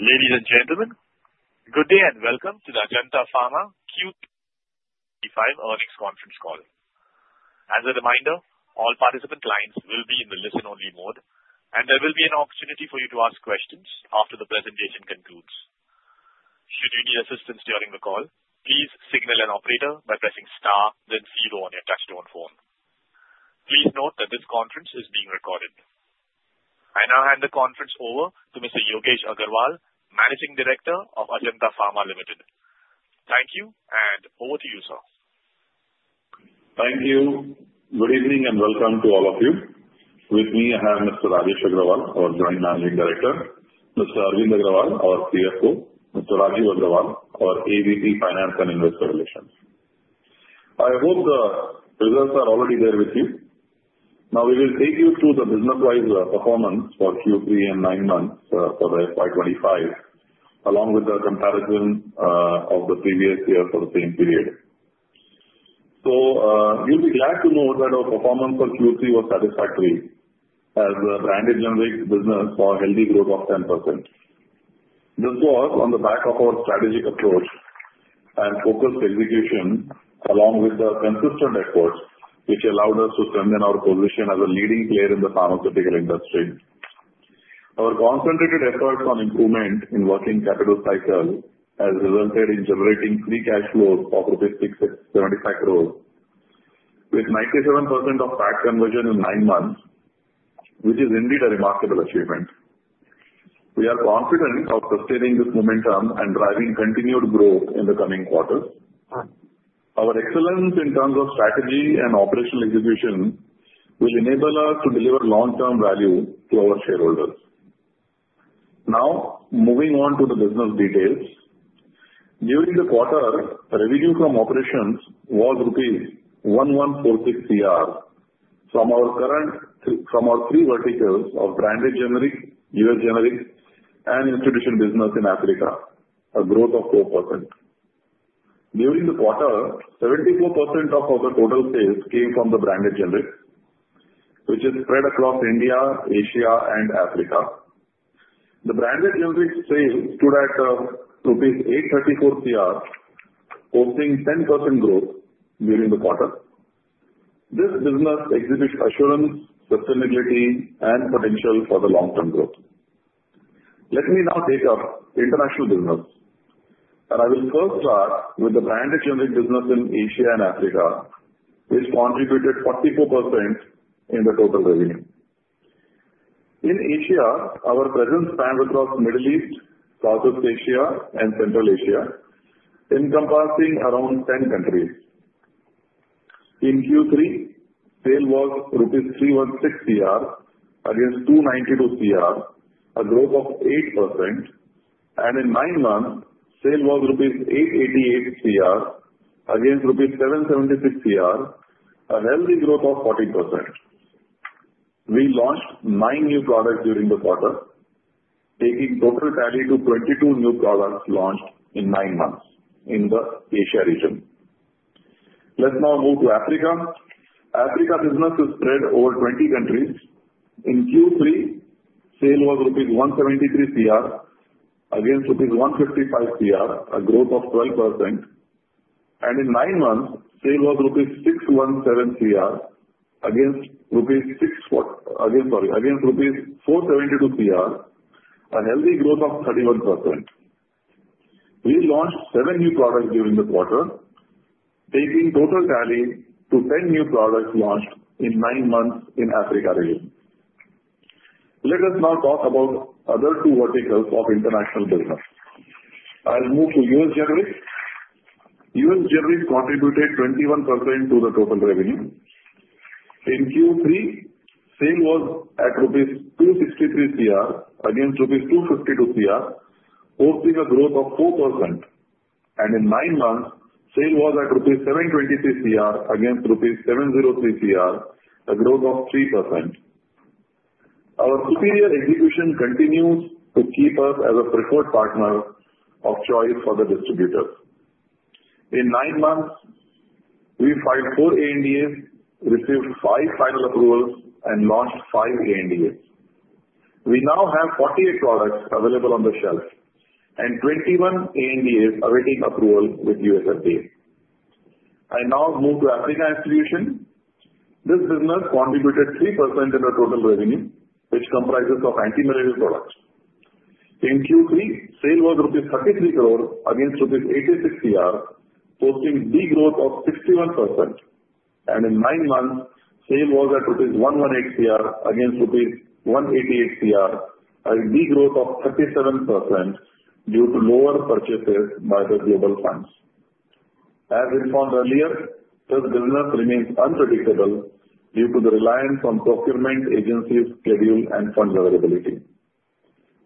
Ladies and gentlemen, good day and welcome to the Ajanta Pharma Q25 Earnings Conference Call. As a reminder, all participant lines will be in the listen-only mode, and there will be an opportunity for you to ask questions after the presentation concludes. Should you need assistance during the call, please signal an operator by pressing star, then zero on your touch-tone phone. Please note that this conference is being recorded. I now hand the conference over to Mr. Yogesh Agrawal, Managing Director of Ajanta Pharma Limited. Thank you, and over to you, sir. Thank you. Good evening and welcome to all of you. With me, I have Mr. Rajesh Agrawal, our Joint Managing Director, Mr. Arvind Agrawal, our CFO, Mr. Raju Agrawal, our AVP-Finance and Investor Relations. I hope the results are already there with you. Now, we will take you through the business-wise performance for Q3 and nine months for the FY 2025, along with the comparison of the previous year for the same period, so you'll be glad to know that our performance for Q3 was satisfactory as a branded generic business saw a healthy growth of 10%. This was on the back of our strategic approach and focused execution, along with the consistent efforts which allowed us to strengthen our position as a leading player in the pharmaceutical industry. Our concentrated efforts on improvement in working capital cycle have resulted in generating free cash flows of INR. 675 crore, with 97% of PAC conversion in nine months, which is indeed a remarkable achievement. We are confident of sustaining this momentum and driving continued growth in the coming quarters. Our excellence in terms of strategy and operational execution will enable us to deliver long-term value to our shareholders. Now, moving on to the business details. During the quarter, revenue from operations was rupees 1,146 crore from our three verticals of branded generic, U.S. generic, and institutional business in Africa, a growth of 4%. During the quarter, 74% of our total sales came from the branded generic, which is spread across India, Asia, and Africa. The branded generic sales stood at 834 crore rupees, posting 10% growth during the quarter. This business exhibits assurance, sustainability, and potential for the long-term growth. Let me now take up international business, and I will first start with the branded generic business in Asia and Africa, which contributed 44% in the total revenue. In Asia, our presence spans across the Middle East, Southeast Asia, and Central Asia, encompassing around 10 countries. In Q3, sale was rupees 316 crore against 292 crore, a growth of 8%, and in nine months, sale was rupees 888 crore against rupees 776 crore, a healthy growth of 14%. We launched nine new products during the quarter, taking total tally to 22 new products launched in nine months in the Asia region. Let's now move to Africa. Africa business is spread over 20 countries. In Q3, sale was rupees 173 crore against rupees 155 crore, a growth of 12%, and in nine months, sale was rupees 617 crore against rupees 472 crore, a healthy growth of 31%. We launched seven new products during the quarter, taking total tally to 10 new products launched in nine months in Africa region. Let us now talk about other two verticals of international business. I'll move to U.S. generic. U.S. generic contributed 21% to the total revenue. In Q3, sale was at rupees 263 crore against rupees 252 crore, posting a growth of 4%, and in nine months, sale was at rupees 723 crore against rupees 703 crore, a growth of 3%. Our superior execution continues to keep us as a preferred partner of choice for the distributors. In nine months, we filed four ANDAs, received five final approvals, and launched five ANDAs. We now have 48 products available on the shelf and 21 ANDAs awaiting approval with U.S. FDA. I now move to Africa institutional. This business contributed 3% in the total revenue, which comprises of anti-malarial products. In Q3, sales was rupees 33 crore against rupees 86 crore, posting a growth of 61%, and in nine months, sales was at rupees 118 crore against rupees 188 crore, a growth of 37% due to lower purchases by the Global Funds. As informed earlier, this business remains unpredictable due to the reliance on procurement agencies' schedule and funds availability.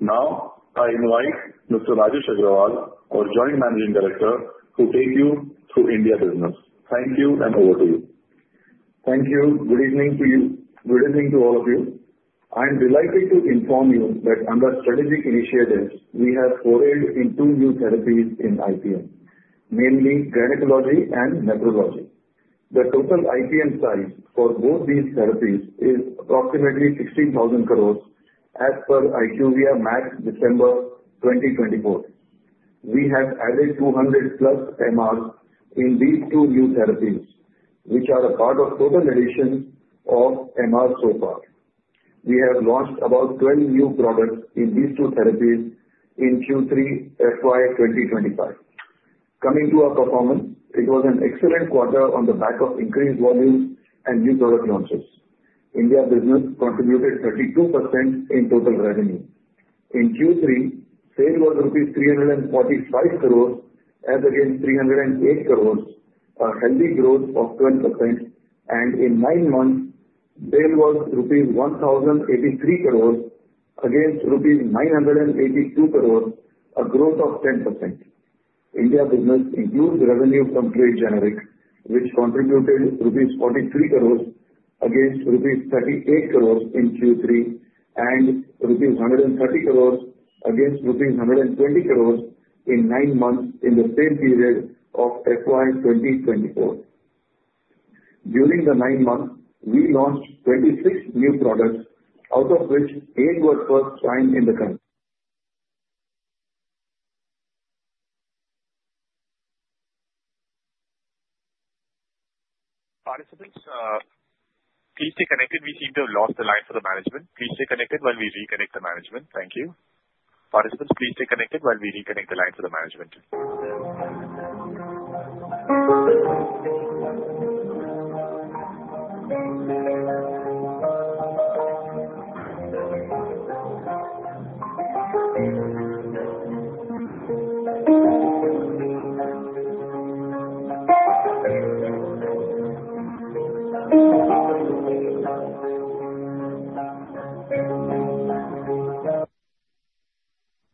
Now, I invite Mr. Rajesh Agrawal, our Joint Managing Director, to take you through India business. Thank you, and over to you. Thank you. Good evening to all of you. I'm delighted to inform you that under strategic initiatives, we have forayed into new therapies in IPM, namely gynecology and nephrology. The total IPM size for both these therapies is approximately 16,000 crore as per IQVIA Mat December 2024. We have added 200+ MRs in these two new therapies, which are a part of the total addition of MRs so far. We have launched about 12 new products in these two therapies in Q3 FY 2025. Coming to our performance, it was an excellent quarter on the back of increased volumes and new product launches. India business contributed 32% in total revenue. In Q3, sale was rupees 345 crore as against 308 crore, a healthy growth of 12%, and in nine months, sale was 1,083 crore rupees against 982 crore, a growth of 10%. India business increased revenue from trade generic, which contributed rupees 43 crore against rupees 38 crore in Q3 and rupees 130 crore against rupees 120 crore in nine months in the same period of FY 2024. During the nine months, we launched 26 new products, out of which eight were first-time in the country. Participants, please stay connected. We seem to have lost the line for the management. Please stay connected while we reconnect the management. Thank you. Participants, please stay connected while we reconnect the line for the management.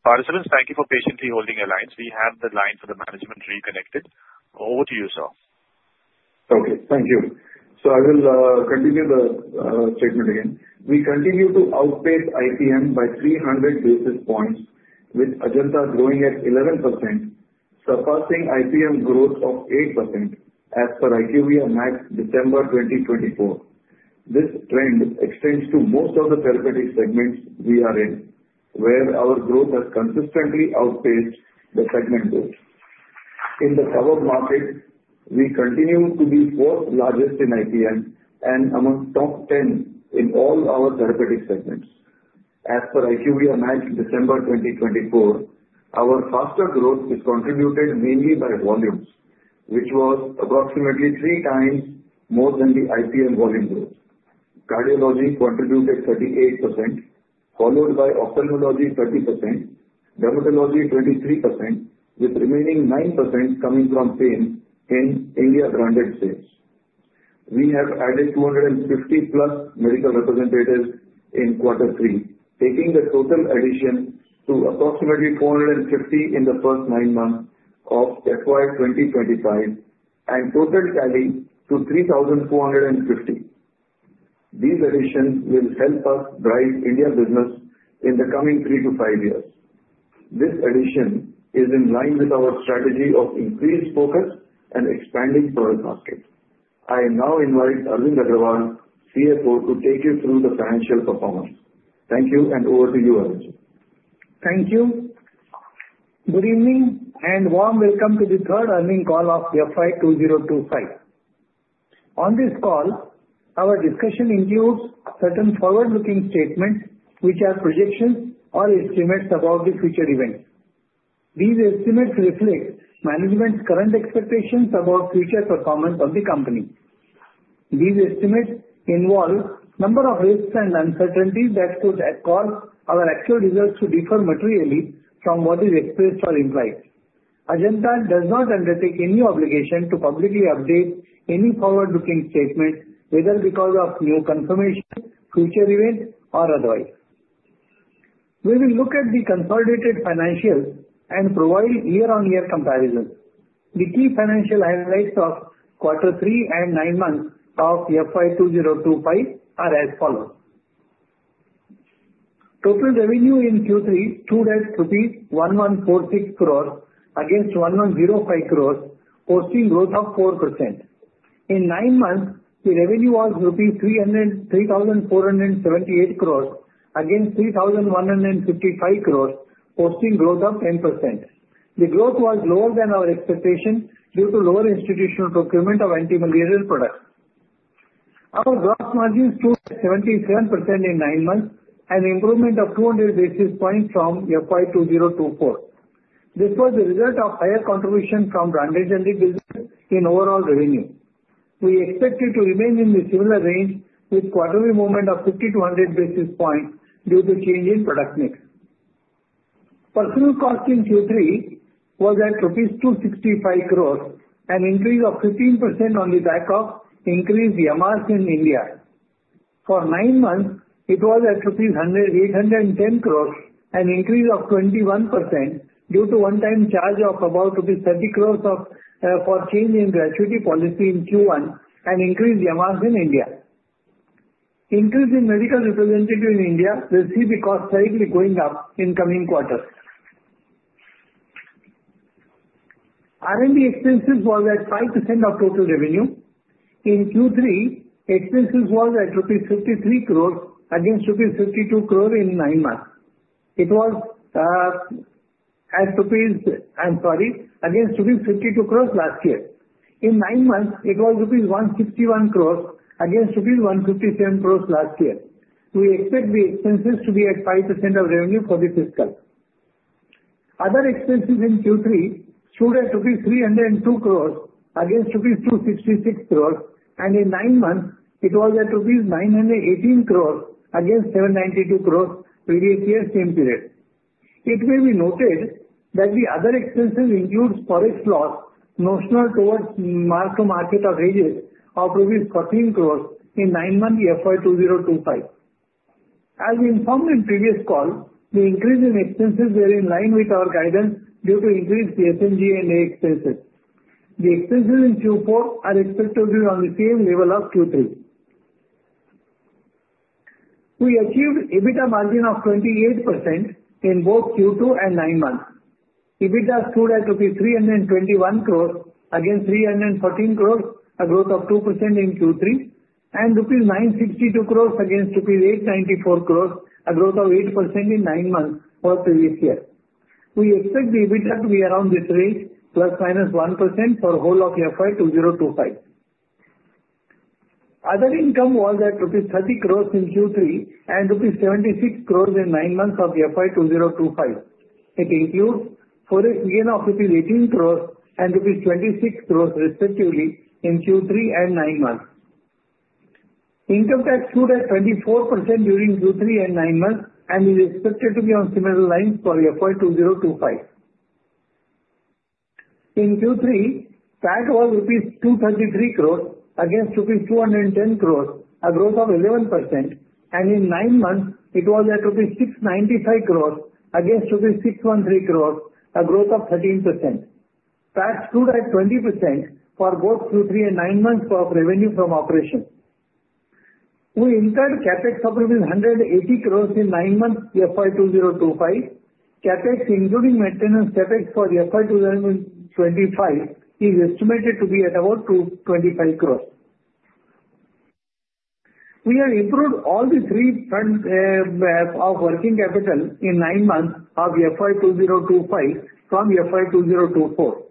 Participants, thank you for patiently holding your lines. We have the line for the management reconnected. Over to you, sir. Okay. Thank you. So I will continue the statement again. We continue to outpace IPM by 300 basis points, with Ajanta growing at 11%, surpassing IPM growth of 8% as per IQVIA MAT December 2024. This trend extends to most of the therapeutic segments we are in, where our growth has consistently outpaced the segment growth. In the covered market, we continue to be fourth-largest in IPM and among top 10 in all our therapeutic segments. As per IQVIA MAT December 2024, our faster growth is contributed mainly by volumes, which was approximately three times more than the IPM volume growth. Cardiology contributed 38%, followed by ophthalmology 30%, dermatology 23%, with the remaining 9% coming from pain in India-branded states. We have added 250+ medical representatives in Q3, taking the total addition to approximately 450 in the first nine months of FY 2025 and total tally to 3,450. These additions will help us drive India business in the coming three to five years. This addition is in line with our strategy of increased focus and expanding product market. I now invite Arvind Agrawal, CFO, to take you through the financial performance. Thank you, and over to you, Arvind. Thank you. Good evening and warm welcome to the third earnings call of FY 2025. On this call, our discussion includes certain forward-looking statements which are projections or estimates about the future events. These estimates reflect management's current expectations about future performance of the company. These estimates involve a number of risks and uncertainties that could cause our actual results to differ materially from what is expressed or implied. Ajanta does not undertake any obligation to publicly update any forward-looking statement, whether because of new confirmation, future event, or otherwise. We will look at the consolidated financials and provide year-on-year comparisons. The key financial highlights of Q3 and nine months of FY 2025 are as follows. Total revenue in Q3 stood at rupees 1146 crore against 1105 crore, posting a growth of 4%. In nine months, the revenue was rupees 3,478 crore against INR. 3,155 crore, posting a growth of 10%. The growth was lower than our expectation due to lower institutional procurement of anti-malarial products. Our gross margins stood at 77% in nine months and an improvement of 200 basis points from FY 2024. This was the result of higher contribution from branded generic business in overall revenue. We expected to remain in the similar range with quarterly movement of 50-100 basis points due to change in product mix. Personnel cost in Q3 was at rupees 265 crore, an increase of 15% on the back of increased MRs in India. For nine months, it was at rupees 810 crore, an increase of 21% due to a one-time charge of about rupees 30 crore for change in gratuity policy in Q1 and increased MRs in India. Increase in medical representatives in India will see the costs slightly going up in the coming quarter. R&D expenses were at 5% of total revenue. In Q3, expenses were at rupees 53 crore against rupees 52 crore in nine months. It was at rupees 52 crore last year. In nine months, it was rupees 161 crore against rupees 157 crore last year. We expect the expenses to be at 5% of revenue for the fiscal. Other expenses in Q3 stood at 302 crore against 266 crore, and in nine months, it was at rupees 918 crore against 792 crore previous year same period. It will be noted that the other expenses include forex loss notional towards mark-to-market of hedges of INR 14 crore in nine months FY 2025. As informed in previous call, the increase in expenses was in line with our guidance due to increased SG&A expenses. The expenses in Q4 are expected to be on the same level as Q3. We achieved EBITDA margin of 28% in both Q2 and nine months. EBITDA stood at rupees 321 crore against 314 crore, a growth of 2% in Q3, and rupees 962 crore against rupees 894 crore, a growth of 8% in nine months for previous year. We expect the EBITDA to be around this range, plus or minus 1% for the whole of FY 2025. Other income was at rupees 30 crore in Q3 and rupees 76 crore in nine months of FY 2025. It includes forex gain of rupees 18 crore and rupees 26 crore respectively in Q3 and nine months. Income tax stood at 24% during Q3 and nine months, and is expected to be on similar lines for FY 2025. In Q3, PAT was rupees 233 crore against rupees 210 crore, a growth of 11%, and in nine months, it was at rupees 695 crore against rupees 613 crore, a growth of 13%. PAT stood at 20% for both Q3 and nine months of revenue from operation. We incurred Capex of rupees 180 crore in nine months FY 2025. Capex, including maintenance Capex for FY 2025, is estimated to be at about 225 crore. We have improved all the three paths of working capital in nine months of FY 2025 from FY 2024.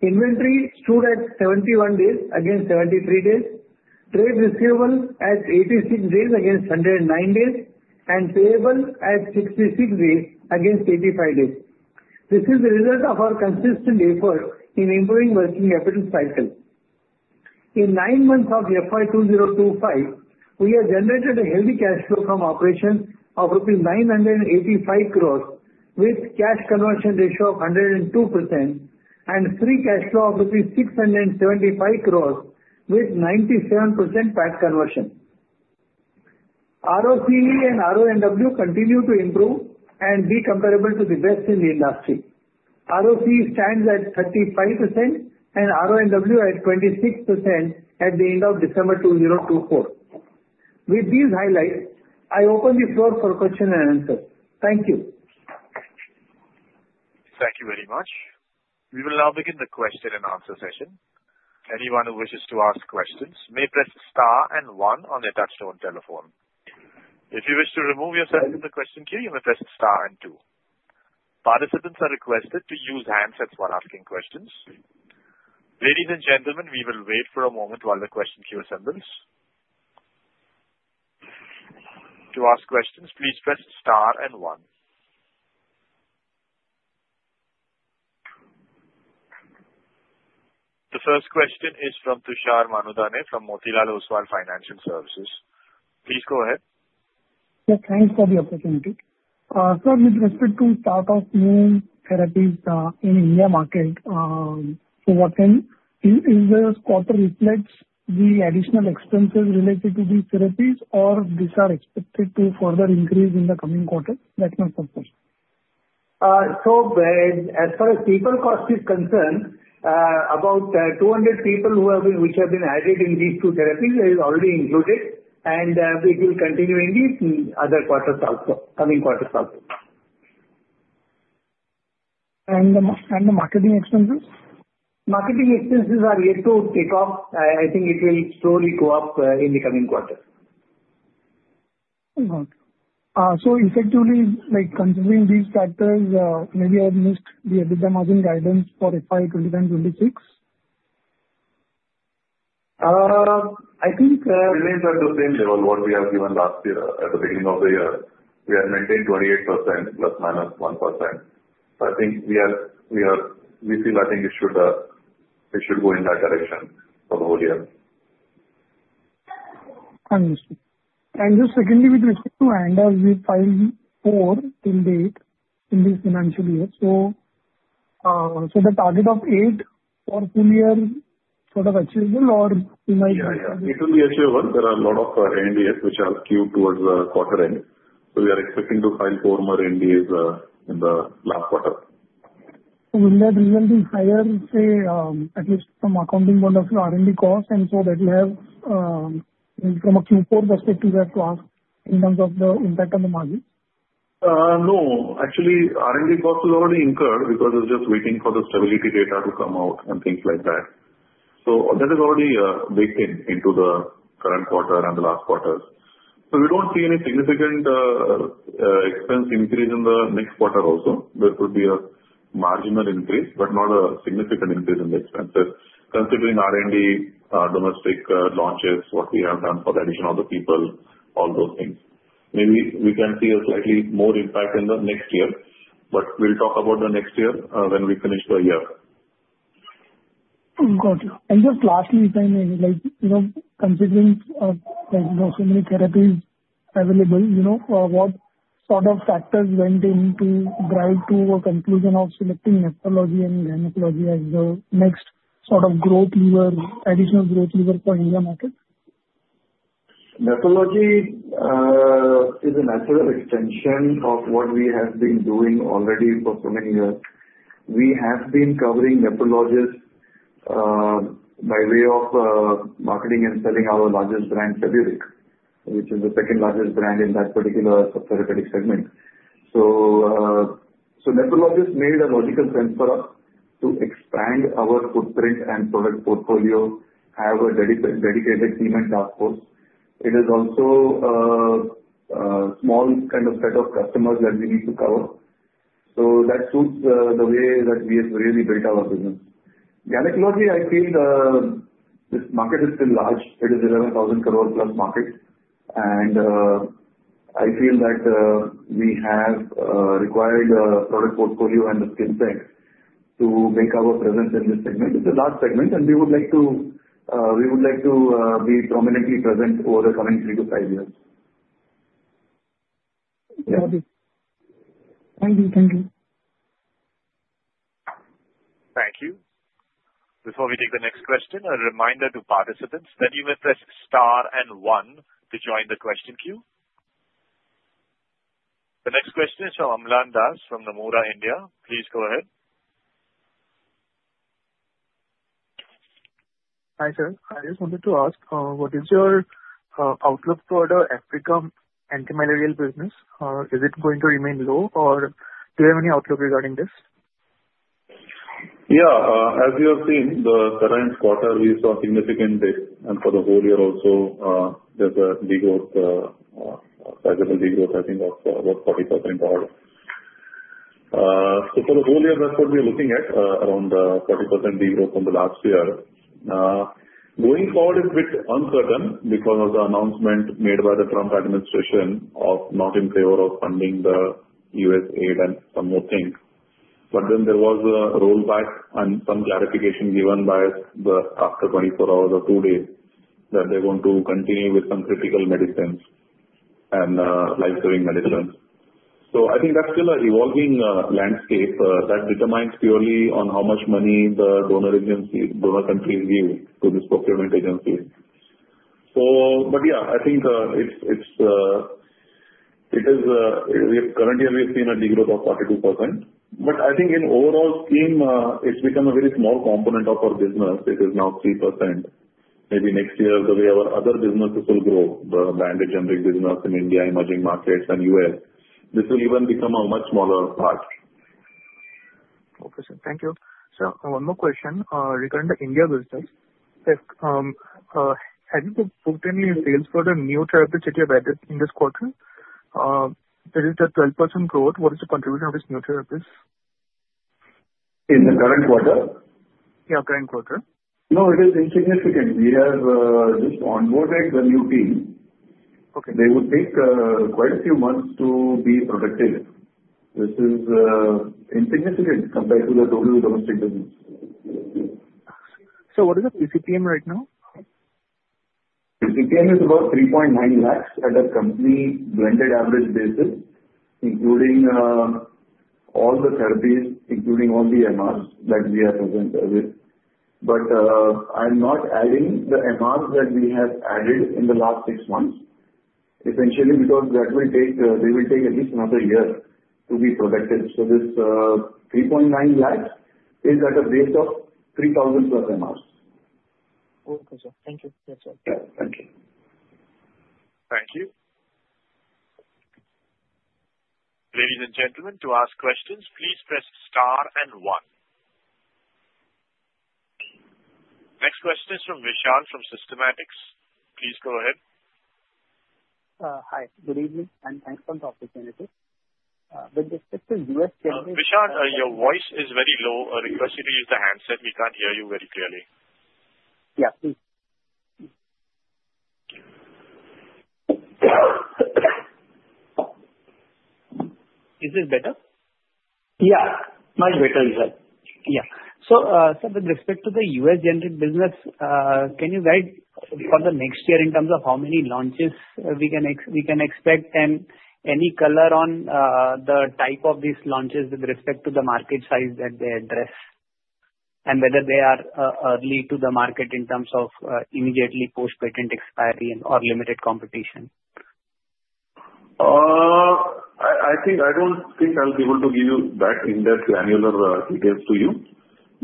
Inventory stood at 71 days against 73 days, trade receivables at 86 days against 109 days, and payables at 66 days against 85 days. This is the result of our consistent effort in improving working capital cycle. In nine months of FY 2025, we have generated a heavy cash flow from operations of rupees 985 crore, with a cash conversion ratio of 102%, and free cash flow of rupees 675 crore, with 97% PAT conversion. RoCE and RoNW continue to improve and be comparable to the best in the industry. RoCE stands at 35% and RoNW at 26% at the end of December 2024. With these highlights, I open the floor for questions and answers. Thank you. Thank you very much. We will now begin the question and answer session. Anyone who wishes to ask questions may press star and one on their touch-tone telephone. If you wish to remove yourself from the question queue, you may press star and two. Participants are requested to use handsets while asking questions. Ladies and gentlemen, we will wait for a moment while the question queue assembles. To ask questions, please press star and one. The first question is from Tushar Manudane from Motilal Oswal Financial Services. Please go ahead. Yes, thanks for the opportunity. Sir, we're interested to start off new therapies in Indian market for what end. Is this quarter reflects the additional expenses related to these therapies, or these are expected to further increase in the coming quarter? That's my question. So, as far as people cost is concerned, about 200 people who have been added in these two therapies is already included, and it will continue in these other quarters also, coming quarters also. The marketing expenses? Marketing expenses are yet to take off. I think it will slowly go up in the coming quarters. Okay. So, effectively, considering these factors, maybe I've missed the EBITDA margin guidance for FY 2025 and 2026? I think. Remains at the same level what we have given last year at the beginning of the year. We have maintained 28%, plus or minus 1%. So I think we feel I think it should go in that direction for the whole year. Understood. And just secondly, with respect to Ajanta's, we filed four till date in this financial year. So the target of eight for full year sort of achievable, or we might. Yeah, it will be achievable. There are a lot of ANDAs which are queued towards the quarter end. So we are expecting to file four more ANDAs in the last quarter. Will that result in higher, say, at least from accounting point of view, R&D costs? And so that will have from a Q4 perspective, we have to ask in terms of the impact on the margins? No. Actually, R&D costs have already incurred because it's just waiting for the stability data to come out and things like that. So that has already baked into the current quarter and the last quarters. So we don't see any significant expense increase in the next quarter also. There could be a marginal increase, but not a significant increase in the expenses, considering R&D, domestic launches, what we have done for the addition of the people, all those things. Maybe we can see a slightly more impact in the next year, but we'll talk about the next year when we finish the year. Got it. And just lastly, if I may, considering there are so many therapies available, what sort of factors went into drive to a conclusion of selecting nephrology and gynecology as the next sort of growth lever, additional growth lever for India market? Nephrology is a natural extension of what we have been doing already for so many years. We have been covering nephrologists by way of marketing and selling our largest brand, Feburic, which is the second largest brand in that particular therapeutic segment. So nephrologists made a logical sense for us to expand our footprint and product portfolio, have a dedicated team and task force. It is also a small kind of set of customers that we need to cover. So that suits the way that we have really built our business. Gynecology, I feel this market is still large. It is 11,000 crore plus market, and I feel that we have required a product portfolio and a skill set to make our presence in this segment. It's a large segment, and we would like to be prominently present over the coming three to five years. Got it. Thank you. Thank you. Thank you. Before we take the next question, a reminder to participants that you may press star and one to join the question queue. The next question is from Amlan Das from Nomura India. Please go ahead. Hi sir. I just wanted to ask, what is your outlook for the Africa anti-malarial business? Is it going to remain low, or do you have any outlook regarding this? Yeah. As you have seen, the current quarter we saw significant growth, and for the whole year also, there's a degrowth, sizable degrowth, I think, of about 40% or more. So for the whole year, that's what we are looking at, around 40% degrowth from the last year. Going forward is a bit uncertain because of the announcement made by the Trump administration of not in favor of funding the USAID and some more things. But then there was a rollback and some clarification given by the after 24 hours or two days that they're going to continue with some critical medicines and life-saving medicines. So I think that's still an evolving landscape. That determines purely on how much money the donor agencies, donor countries give to these procurement agencies. But yeah, I think it is current year, we have seen a degrowth of 42%. But I think in overall scheme, it's become a very small component of our business. It is now 3%. Maybe next year, the way our other businesses will grow, the branded generic business in India, emerging markets, and U.S. this will even become a much smaller part. Okay. Thank you. Sir, one more question. Regarding the India business, have you seen any sales for the new therapeutic areas that you have added in this quarter? It is a 12% growth. What is the contribution of these new therapeutic areas? In the current quarter? Yeah, current quarter. No, it is insignificant. We have just onboarded the new team. They will take quite a few months to be productive. This is insignificant compared to the total domestic business. Sir, what is the PCPM right now? PCPM is about 3.9 lakhs at a complete blended average basis, including all the therapies, including all the MRs that we are present with. But I'm not adding the MRs that we have added in the last six months, essentially because that will take at least another year to be productive. So this 3.9 lakhs is at a rate of 3,000 plus MRs. Okay. Thank you. Yeah. Thank you. Thank you. Ladies and gentlemen, to ask questions, please press star and one. Next question is from Vishal from Systematix. Please go ahead. Hi. Good evening, and thanks for the opportunity. With respect to U.S. generics. Vishal, your voice is very low. I request you to use the handset. We can't hear you very clearly. Yeah, please. Is this better? Yeah. Much better, Vishal. Yeah. So sir, with respect to the U.S. generic business, can you guide for the next year in terms of how many launches we can expect and any color on the type of these launches with respect to the market size that they address and whether they are early to the market in terms of immediately post-patent expiry or limited competition? I don't think I'll be able to give you that in-depth granular details to you,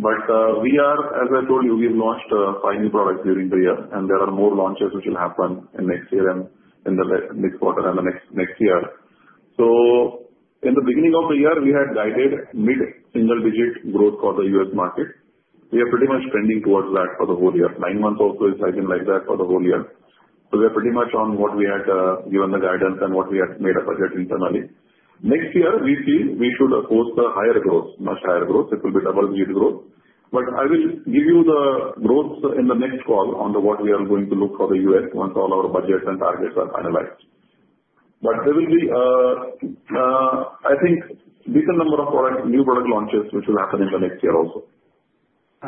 but we are, as I told you, we've launched five new products during the year, and there are more launches which will happen in next year and in the next quarter and the next year, so in the beginning of the year, we had guided mid-single-digit growth for the U.S. market. We are pretty much trending towards that for the whole year. Nine months also is lagging like that for the whole year, so we are pretty much on what we had given the guidance and what we had made a budget internally. Next year, we feel we should post a higher growth, much higher growth. It will be double-digit growth. But I will give you the growth in the next call on what we are going to look for the U.S. once all our budgets and targets are finalized. But there will be, I think, a decent number of new product launches which will happen in the next year also.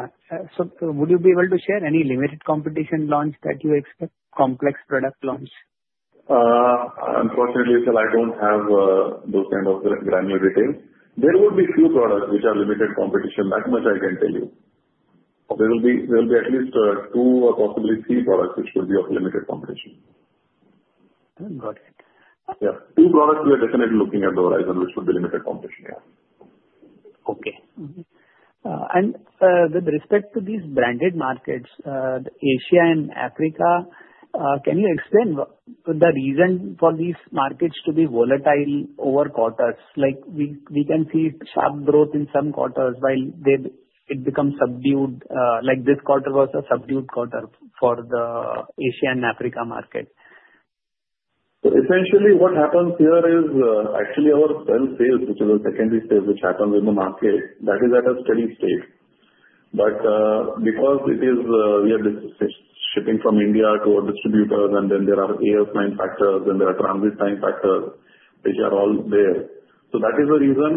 Would you be able to share any limited competition launch that you expect, complex product launch? Unfortunately, sir, I don't have those kind of granular details. There will be a few products which are limited competition, that much I can tell you. There will be at least two, possibly three products which will be of limited competition. Got it. Yeah. Two products we are definitely looking at on the horizon, which would be limited competition, yes. Okay. And with respect to these branded markets, Asia and Africa, can you explain the reason for these markets to be volatile over quarters? We can see sharp growth in some quarters while it becomes subdued, like this quarter was a subdued quarter for the Asia and Africa market. So essentially, what happens here is actually our sales, which is a secondary sale which happens in the market, that is at a steady state. But because we are shipping from India to our distributors, and then there are lead time factors, and there are transit time factors which are all there. So that is the reason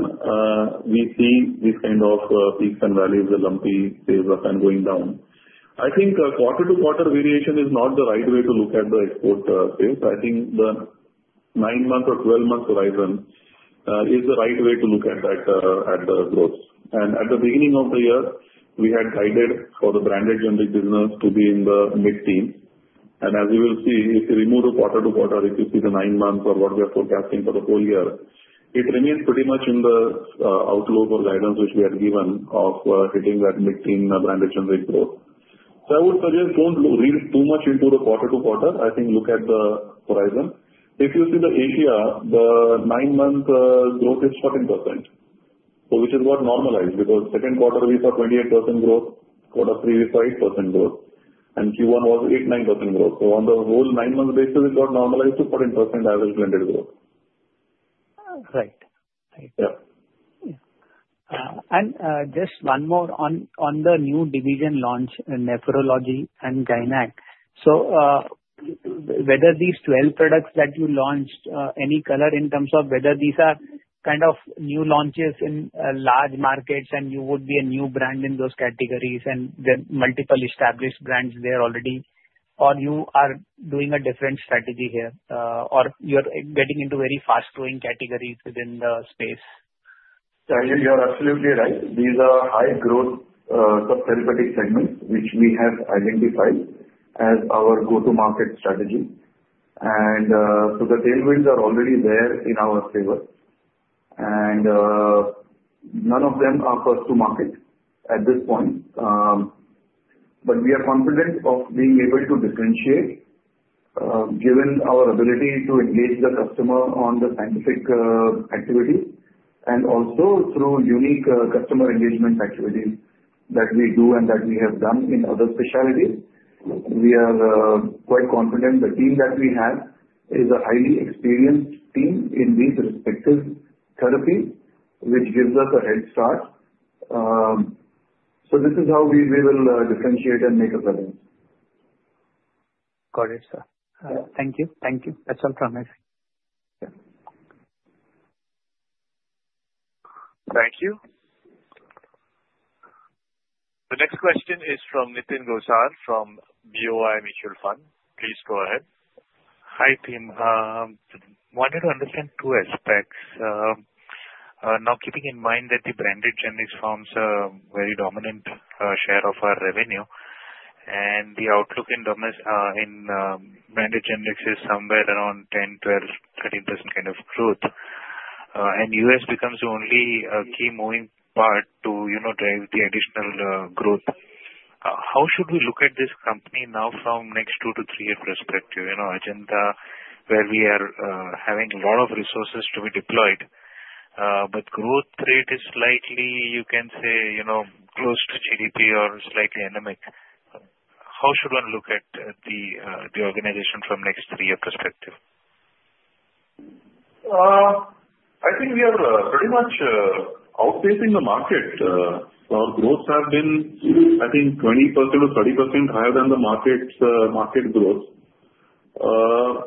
we see these kind of peaks and valleys, the lumpy sales up and going down. I think quarter-to-quarter variation is not the right way to look at the export sales. I think the nine-month or twelve-month horizon is the right way to look at that at the growth, and at the beginning of the year, we had guided for the branded generic business to be in the mid-teens. As you will see, if you remove the quarter-to-quarter, if you see the nine months or what we are forecasting for the whole year, it remains pretty much in the outlook or guidance which we had given of hitting that mid-teens branded generic growth. So I would suggest don't read too much into the quarter-to-quarter. I think look at the horizon. If you see the Asia, the nine-month growth is 14%, which is what normalized because second quarter we saw 28% growth, quarter three we saw 8% growth, and Q1 was 8%-9% growth. So on the whole nine-month basis, it got normalized to 14% average blended growth. All right. Yeah. Just one more on the new division launch, nephrology and gynecology. So whether these 12 products that you launched, any color in terms of whether these are kind of new launches in large markets and you would be a new brand in those categories and there are multiple established brands there already, or you are doing a different strategy here, or you're getting into very fast-growing categories within the space? You're absolutely right. These are high-growth subtherapeutic segments which we have identified as our go-to-market strategy, and so the tailwinds are already there in our favor, and none of them are first-to-market at this point, but we are confident of being able to differentiate given our ability to engage the customer on the scientific activity and also through unique customer engagement activities that we do and that we have done in other specialties. We are quite confident the team that we have is a highly experienced team in these respective therapies, which gives us a head start, so this is how we will differentiate and make a presence. Got it, sir. Thank you. Thank you. That's all from me. Yeah. Thank you. The next question is from Nitin Gosar from BOI Mutual Fund. Please go ahead. Hi, team. I wanted to understand two aspects. Now, keeping in mind that the branded generics form a very dominant share of our revenue, and the outlook in branded generics is somewhere around 10, 12, 13% kind of growth, and U.S. becomes the only key moving part to drive the additional growth, how should we look at this company now from next two to three year perspective? India where we are having a lot of resources to be deployed, but growth rate is slightly, you can say, close to GDP or slightly anemic. How should one look at the organization from next three year perspective? I think we are pretty much outpacing the market. Our growth has been, I think, 20% or 30% higher than the market growth.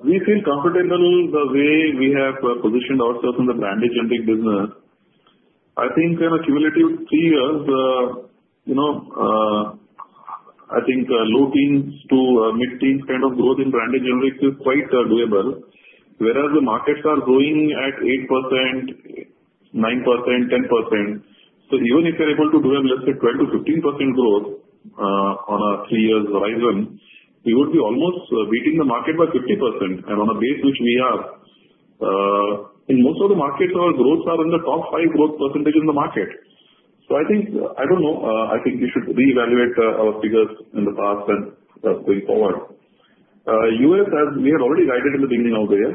We feel comfortable the way we have positioned ourselves in the branded generic business. I think in a cumulative three years, I think low teens to mid-teens kind of growth in branded generics is quite doable, whereas the markets are growing at 8%, 9%, 10%. So even if we're able to do, let's say, 12%-15% growth on a three-year horizon, we would be almost beating the market by 50% and on a base which we have. In most of the markets, our growths are in the top five growth percentages in the market. So I think, I don't know, I think we should reevaluate our figures in the past and going forward. U.S., we had already guided in the beginning of the year.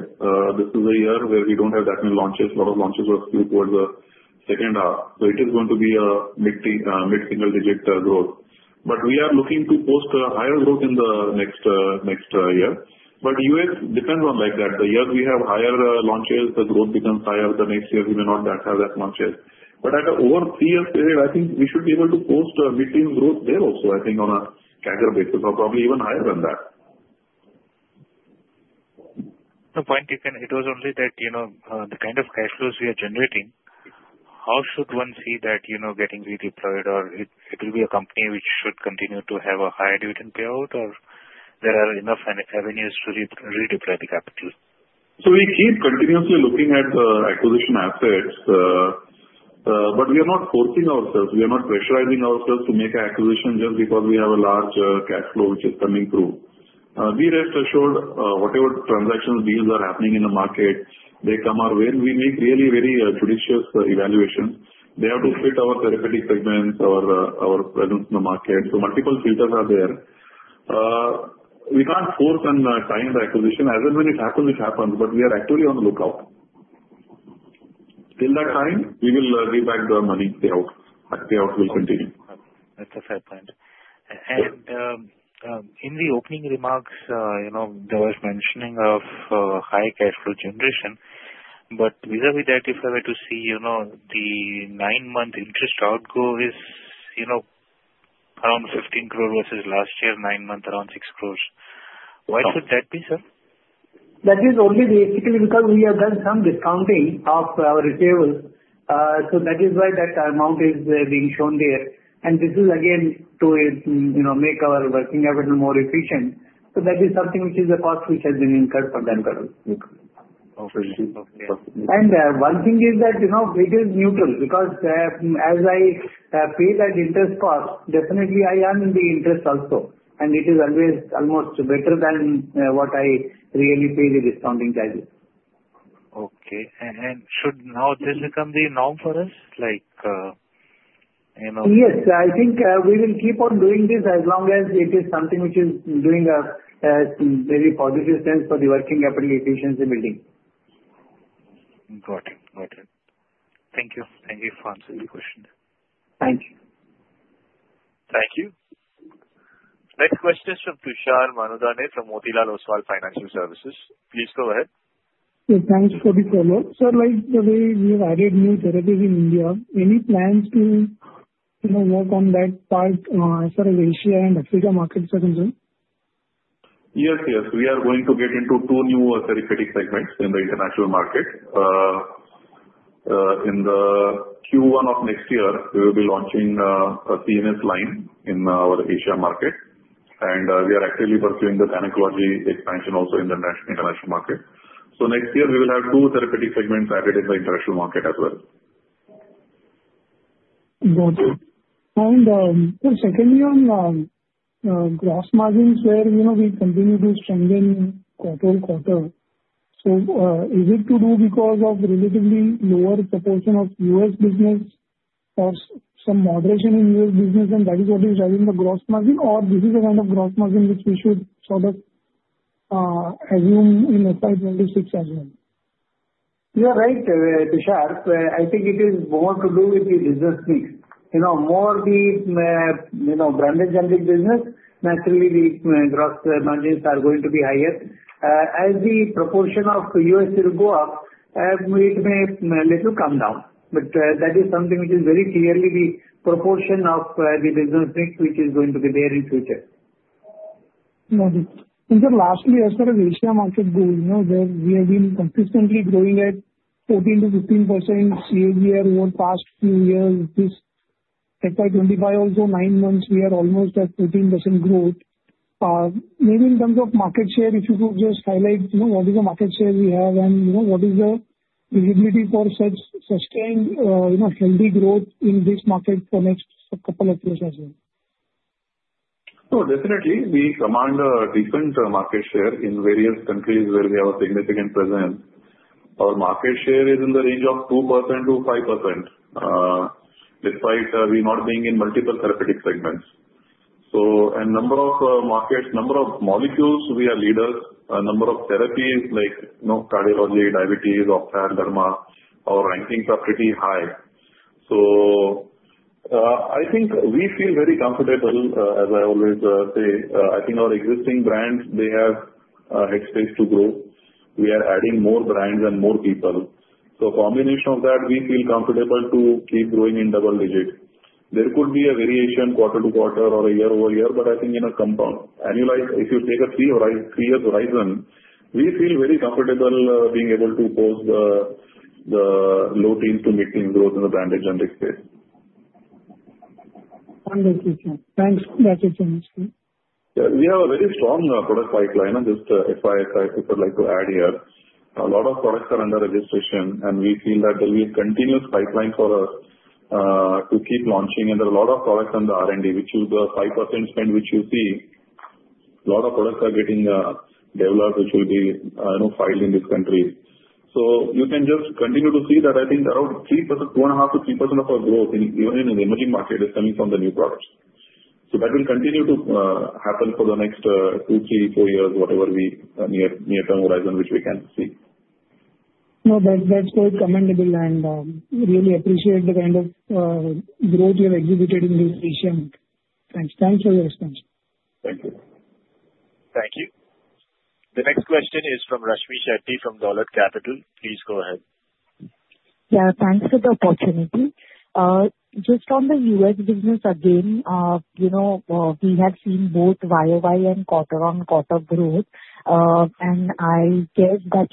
This is a year where we don't have that many launches. A lot of launches were skewed towards the second half, so it is going to be a mid-single-digit growth, but we are looking to post a higher growth in the next year, but U.S. depends on like that. The year we have higher launches, the growth becomes higher. The next year, we may not have that much yet, but at the over three-year period, I think we should be able to post a mid-teens growth there also, I think, on a CAGR basis or probably even higher than that. The point is, Nitin, it was only that the kind of cash flows we are generating, how should one see that getting redeployed? Or it will be a company which should continue to have a higher dividend payout, or there are enough avenues to redeploy the capital? So we keep continuously looking at acquisition assets, but we are not forcing ourselves. We are not pressurizing ourselves to make an acquisition just because we have a large cash flow which is coming through. We rest assured whatever transaction deals are happening in the market, they come our way. We make really very judicious evaluations. They have to fit our therapeutic segments, our presence in the market. So multiple filters are there. We can't force and tie into acquisition. As and when it happens, it happens. But we are actually on the lookout. Till that time, we will give back the money payout. That payout will continue. That's a fair point. In the opening remarks, there was mentioning of high cash flow generation. Vis-à-vis that, if I were to see the nine-month interest outgo is around 15 crores versus last year, nine months, around 6 crores. Why should that be, sir? That is only basically because we have done some discounting of our reserves. So that is why that amount is being shown there. And this is again to make our working capital more efficient. So that is something which is a cost which has been incurred for them to do. And one thing is that it is neutral because as I pay that interest cost, definitely I earn the interest also. And it is always almost better than what I really pay the discounting charges. Okay. And should now this become the norm for us? Yes. I think we will keep on doing this as long as it is something which is doing a very positive sense for the working capital efficiency building. Got it. Got it. Thank you. Thank you for answering the question. Thank you. Thank you. Next question is from Tushar Manudane from Motilal Oswal Financial Services. Please go ahead. Thanks for the follow-up. Sir, like the way we have added new therapies in India, any plans to work on that part for Asia and Africa markets as well? Yes, yes. We are going to get into two new therapeutic segments in the international market. In the Q1 of next year, we will be launching a CNS line in our Asia market. And we are actively pursuing the gynecology expansion also in the international market. So next year, we will have two therapeutic segments added in the international market as well. Got it. And sir, secondly, on the gross margins where we continue to strengthen quarter-to-quarter, so is it to do because of relatively lower proportion of US business or some moderation in U.S. business, and that is what is driving the gross margin, or this is the kind of gross margin which we should sort of assume in FY 2026 as well? You're right, Tushar. I think it is more to do with the business mix. More the branded generic business, naturally the gross margins are going to be higher. As the proportion of US will go up, it may a little come down. But that is something which is very clearly the proportion of the business mix which is going to be there in the future. Got it. And sir, lastly, as for the Asia market growth, we have been consistently growing at 14%-15% year-over-year past few years. This FY 2025, also nine months, we are almost at 14% growth. Maybe in terms of market share, if you could just highlight what is the market share we have and what is the visibility for such sustained healthy growth in this market for the next couple of years as well? Oh, definitely. We command a decent market share in various countries where we have a significant presence. Our market share is in the range of 2%-5% despite we not being in multiple therapeutic segments. So a number of markets, number of molecules we are leaders, a number of therapies like cardiology, diabetes, ophthalmology, dermatology, our rankings are pretty high. So I think we feel very comfortable, as I always say. I think our existing brands, they have headspace to grow. We are adding more brands and more people. So a combination of that, we feel comfortable to keep growing in double-digit. There could be a variation quarter-to-quarter or a year-over-year, but I think in a compound annualized, if you take a three-year horizon, we feel very comfortable being able to post the low-teens to mid-teens growth in the branded generic space. Thank you, sir. Thanks. That is so much good. We have a very strong product pipeline. Just if I would like to add here, a lot of products are under registration, and we feel that there will be a continuous pipeline for us to keep launching. And there are a lot of products under R&D, which is the 5% spend which you see. A lot of products are getting developed which will be filed in these countries. So you can just continue to see that I think around 3%, 2.5%-3% of our growth, even in the emerging market, is coming from the new products. So that will continue to happen for the next two, three, four years, whatever the near-term horizon which we can see. No, that's quite commendable, and we really appreciate the kind of growth you have exhibited in this region. Thanks. Thanks for your expansion. Thank you. Thank you. The next question is from Rashmi Shetty from Dolat Capital. Please go ahead. Yeah, thanks for the opportunity. Just on the U.S. business again, we have seen both year-over-year and quarter-on-quarter growth. And I guess that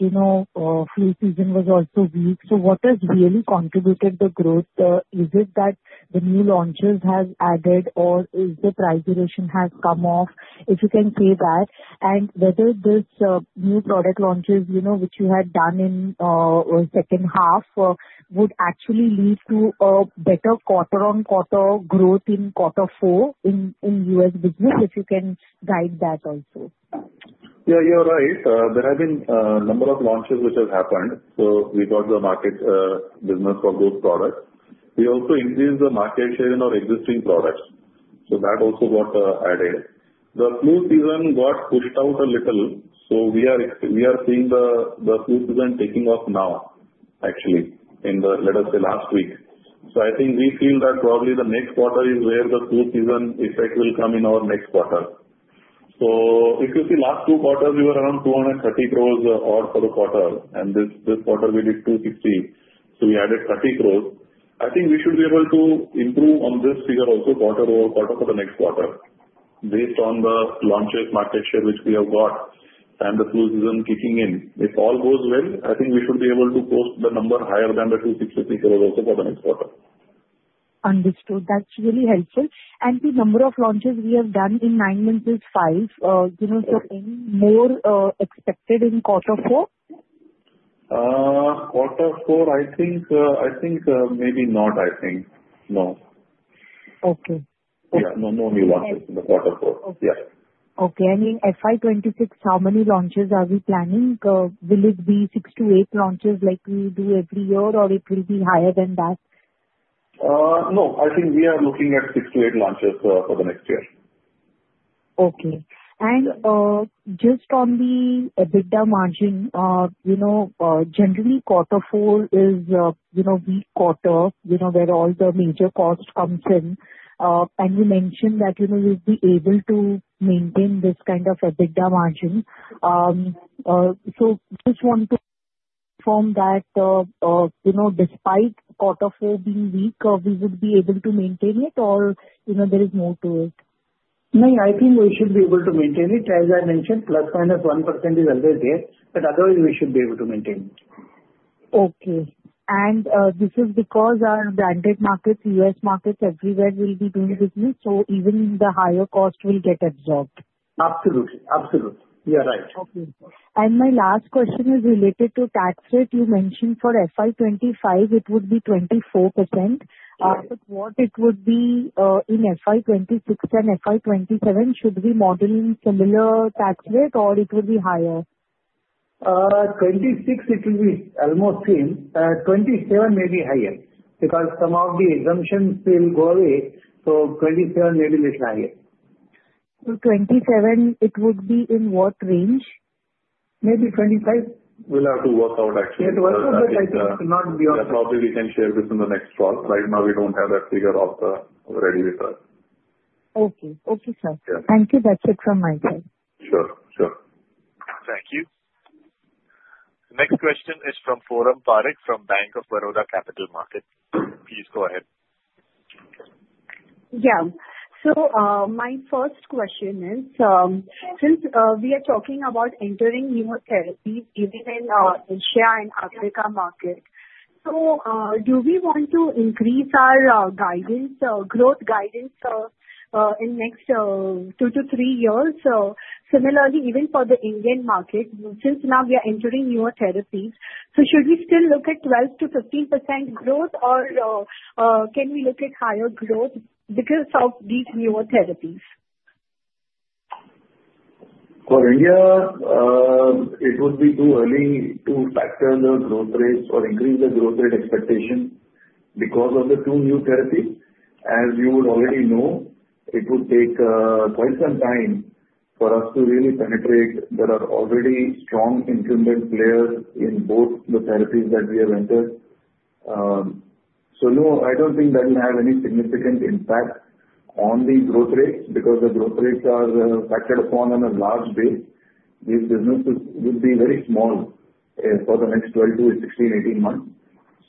flu season was also weak. So what has really contributed the growth? Is it that the new launches have added, or is the price erosion has come off? If you can say that. And whether this new product launches which you had done in the second half would actually lead to a better quarter-on-quarter growth in quarter four in U.S. business, if you can guide that also. Yeah, you're right. There have been a number of launches which have happened. So we got the market business for those products. We also increased the market share in our existing products. So that also got added. The flu season got pushed out a little. So we are seeing the flu season taking off now, actually, in the, let us say, last week. So I think we feel that probably the next quarter is where the flu season effect will come in our next quarter. So if you see last two quarters, we were around 230 crores odd for the quarter. And this quarter, we did 260 crores. So we added 30 crores. I think we should be able to improve on this figure also quarter-over-quarter for the next quarter based on the launches, market share which we have got and the flu season kicking in. If all goes well, I think we should be able to post the number higher than the 260 crores also for the next quarter. Understood. That's really helpful, and the number of launches we have done in nine months is five, so any more expected in quarter four? Quarter four, I think maybe not, I think. No. Okay. Yeah. No new launches in the quarter four. Yeah. Okay. And in FY 2026, how many launches are we planning? Will it be six to eight launches like we do every year, or it will be higher than that? No. I think we are looking at six to eight launches for the next year. Okay. And just on the EBITDA margin, generally, quarter four is weak quarter where all the major cost comes in. And you mentioned that you would be able to maintain this kind of EBITDA margin. So just want to confirm that despite quarter four being weak, we would be able to maintain it, or there is more to it? No, I think we should be able to maintain it. As I mentioned, plus minus 1% is always there. But otherwise, we should be able to maintain it. Okay, and this is because our branded markets, U.S. markets, everywhere will be doing business, so even the higher cost will get absorbed. Absolutely. Absolutely. You're right. Okay. And my last question is related to tax rate. You mentioned for FY 2025, it would be 24%. But what it would be in FY 2026 and FY 2027? Should we model similar tax rate, or it would be higher? 2026, it will be almost same. 2027 may be higher because some of the exemptions will go away. So 2027 may be a little higher. So, 27, it would be in what range? Maybe 25. We'll have to work out, actually. It works out, but I think not beyond that. Yeah. Probably we can share this in the next call. Right now, we don't have that figure already with us. Okay. Okay, sir. Thank you. That's it from my side. Sure. Sure. Thank you. Next question is from Foram Parekh from Bank of Baroda Capital Markets. Please go ahead. Yeah. So my first question is, since we are talking about entering newer therapies, even in Asia and Africa market, so do we want to increase our growth guidance in the next two to three years? Similarly, even for the Indian market, since now we are entering newer therapies, so should we still look at 12%-15% growth, or can we look at higher growth because of these newer therapies? For India, it would be too early to factor the growth rates or increase the growth rate expectation because of the two new therapies. As you would already know, it would take quite some time for us to really penetrate. There are already strong incumbent players in both the therapies that we have entered. So no, I don't think that will have any significant impact on the growth rates because the growth rates are factored upon a large base. These businesses would be very small for the next 12 to 16, 18 months.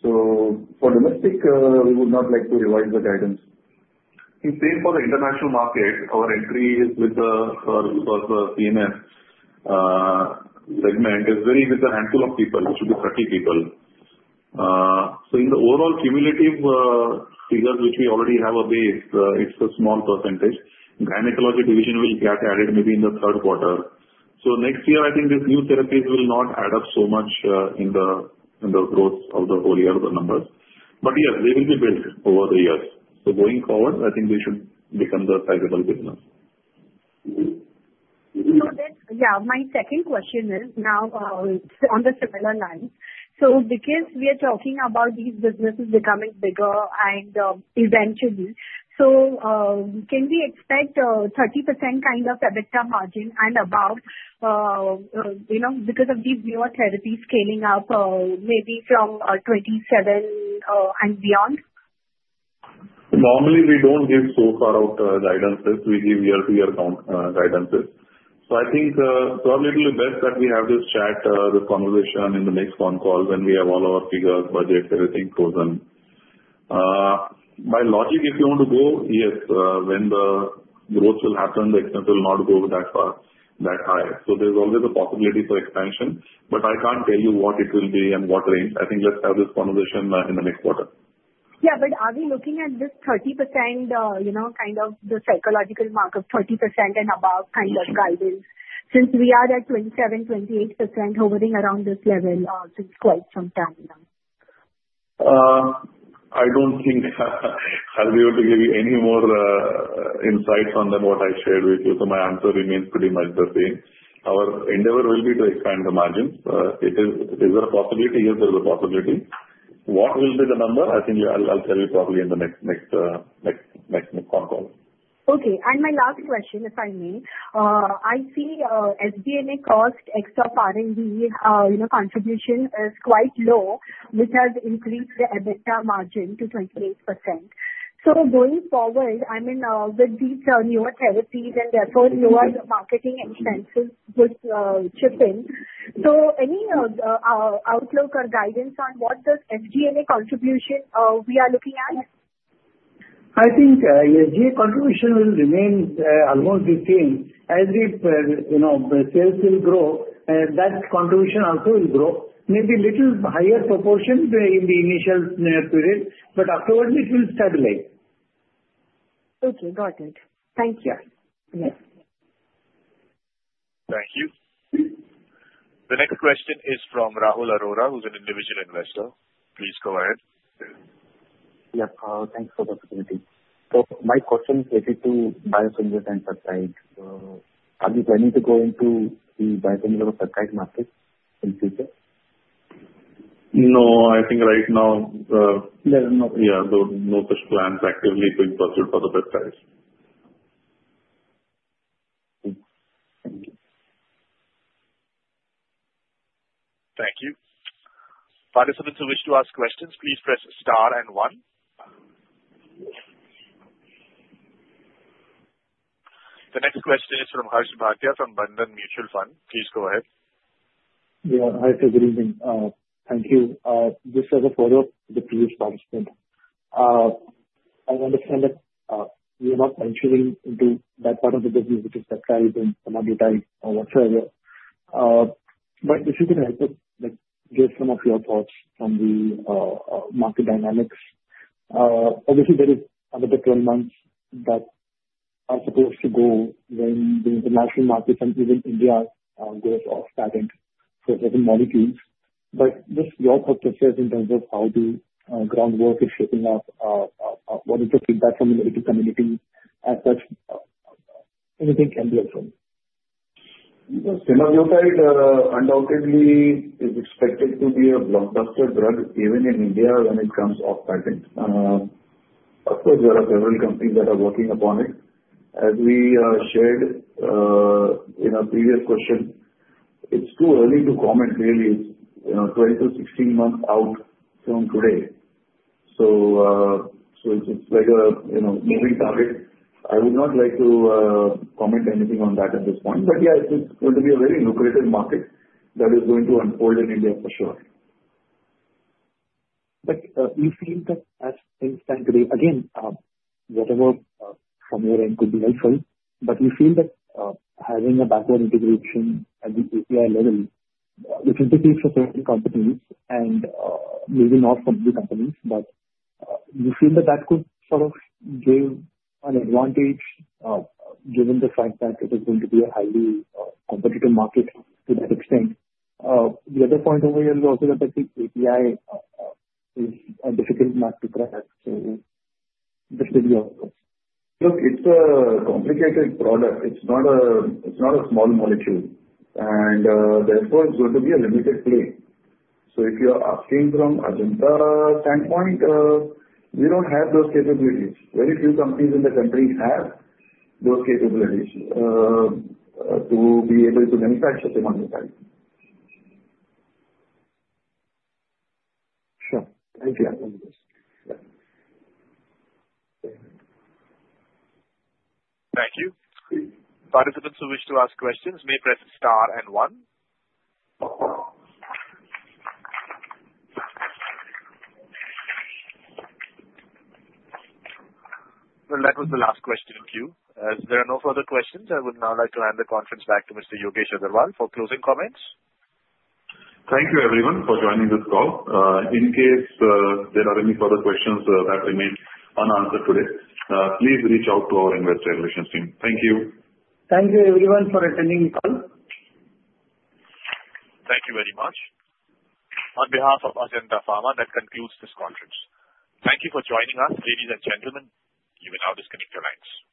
So for domestic, we would not like to revise the guidance. Same for the international market. Our entry is with the CNS segment. It's very small with a handful of people. It should be 30 people. So in the overall cumulative figures which we already have a base, it's a small percentage. Gynecology division will get added maybe in the third quarter. So next year, I think these new therapies will not add up so much in the growth of the whole year of the numbers. But yes, they will be built over the years. So going forward, I think they should become the sizable business. Yeah. My second question is now on the similar line. So because we are talking about these businesses becoming bigger and eventually, so can we expect 30% kind of EBITDA margin and above because of these newer therapies scaling up maybe from 27 and beyond? Normally, we don't give so far out guidances. We give year-to-year guidances. So I think probably it will be best that we have this chat, this conversation in the next phone call when we have all our figures, budgets, everything chosen. By logic, if you want to go, yes. When the growth will happen, the expense will not go that high. So there's always a possibility for expansion. But I can't tell you what it will be and what range. I think let's have this conversation in the next quarter. Yeah. But are we looking at this 30% kind of the psychological mark of 30% and above kind of guidance since we are at 27%-28% hovering around this level since quite some time now? I don't think I'll be able to give you any more insights on than what I shared with you. So my answer remains pretty much the same. Our endeavor will be to expand the margins. Is there a possibility? Yes, there is a possibility. What will be the number? I think I'll tell you probably in the next phone call. Okay. My last question, if I may. I see SG&A cost except R&D contribution is quite low, which has increased the EBITDA margin to 28%. So going forward, I mean, with these newer therapies and therefore lower marketing expenses would chip in. So any outlook or guidance on what the SG&A contribution we are looking at? I think SG&A contribution will remain almost the same. As the sales will grow, that contribution also will grow. Maybe a little higher proportion in the initial period, but afterward, it will stabilize. Okay. Got it. Thank you. Thank you. The next question is from Rahul Arora, who's an individual investor. Please go ahead. Yep. Thanks for the opportunity. So my question is related to biosimilars and peptides. Are you planning to go into the biosimilar or peptide market in the future? No. I think right now, yeah, no such plans actively to be pursued for the peptides. Thank you. Thank you. Participants who wish to ask questions, please press star and one. The next question is from Harsh Bhatia from Bandhan Mutual Fund. Please go ahead. Yeah. Hi, sir. Good evening. Thank you. Just as a follow-up to the previous participant, I understand that you're not venturing into that part of the business, which is peptides and amalgam types or whatsoever. But if you can help us get some of your thoughts on the market dynamics. Obviously, there is another 12 months that are supposed to go when the international markets and even India goes off patent for certain molecules. But just your thoughts as far as in terms of how the groundwork is shaping up, what is the feedback from the medical community as such, anything can be observed? Semaglutide undoubtedly is expected to be a blockbuster drug even in India when it comes off patent. Of course, there are several companies that are working upon it. As we shared in our previous question, it's too early to comment, really. It's 12-16 months out from today. So it's like a moving target. I would not like to comment anything on that at this point. But yeah, it's going to be a very lucrative market that is going to unfold in India for sure. But you feel that as things stand today, again, whatever from your end could be helpful, but you feel that having a backward integration at the API level, which indicates for certain companies and maybe not for new companies, but you feel that that could sort of give an advantage given the fact that it is going to be a highly competitive market to that extent. The other point over here is also that the API is a difficult market for us. So this could be your thoughts. Look, it's a complicated product. It's not a small molecule. And therefore, it's going to be a limited play. So if you're asking from Ajanta standpoint, we don't have those capabilities. Very few companies in the country have those capabilities to be able to manufacture Semaglutide. Sure. Thank you. Thank you. Participants who wish to ask questions, may press star and one. That was the last question queue. As there are no further questions, I would now like to hand the conference back to Mr. Yogesh Agrawal for closing comments. Thank you, everyone, for joining this call. In case there are any further questions that remain unanswered today, please reach out to our investor relations team. Thank you. Thank you, everyone, for attending the call. Thank you very much. On behalf of Ajanta Pharma, that concludes this conference. Thank you for joining us, ladies and gentlemen. You may now disconnect your lines.